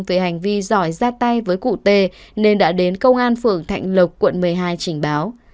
về hành vi giỏi ra tay với cụ tê nên đã đến công an phường thạnh lộc quận một mươi hai trình báo